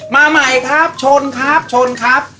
มาใหม่ครับชนครับชนครับ